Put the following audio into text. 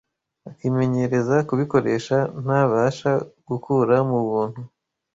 akimenyereza kubikoresha, ntabasha gukura mu buntu.